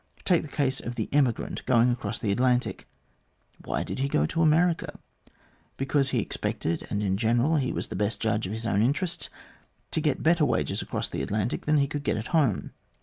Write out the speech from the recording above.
Take the case of the emigrant going across the Atlantic. Why did he go to America ? Because he expected and in general he was the best judge of his own interests to get better wages across the Atlantic than he could get at home.